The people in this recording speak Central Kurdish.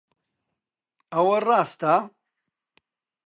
ئەوە ڕاستە؟